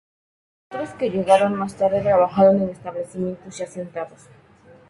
Otros que llegaron más tarde trabajaron en establecimientos ya asentados.